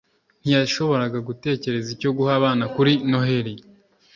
ntiyashoboraga gutekereza icyo guha abana kuri noheri